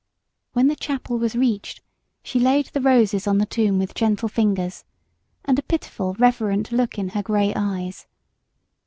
When the chapel was reached, she laid the roses on the tomb with gentle fingers, and a pitiful, reverent look in her gray eyes.